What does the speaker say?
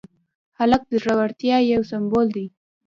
هلک د زړورتیا یو سمبول دی.